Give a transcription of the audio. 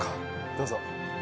どうぞ。